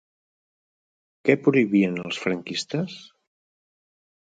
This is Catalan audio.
Què prohibien els franquistes?